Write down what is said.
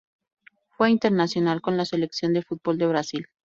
Fue internacional con la selección de fútbol de Brasil.